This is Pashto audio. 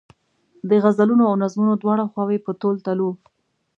د غزلونو او نظمونو دواړه خواوې په تول تلو.